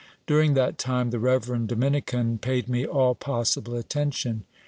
During that time, the reverend Dominican paid me all possible attention.